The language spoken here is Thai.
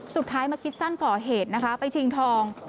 สุดท้ายมาคิดสั้นก่อเหตุนะคะไปชิงทอง